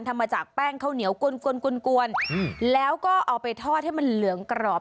ทำมาจากแป้งข้าวเหนียวกวนกวนแล้วก็เอาไปทอดให้มันเหลืองกรอบ